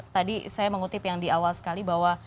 tadi saya mengutip yang di awal sekali bahwa